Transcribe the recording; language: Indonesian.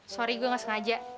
sorry gue nggak sengaja